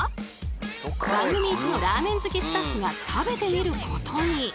番組イチのラーメン好きスタッフが食べてみることに。